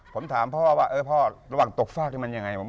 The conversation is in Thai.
ผมถามพ่อว่าพ่อระหว่างตกฟากนี่มันยังไง